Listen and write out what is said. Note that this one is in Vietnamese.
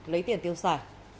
lấy tiền tiêu xả